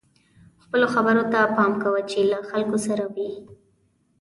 خپلو خبرو ته پام کوه چې له خلکو سره وئ.